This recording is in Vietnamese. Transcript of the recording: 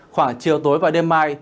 khoảng chiều tối và đêm mai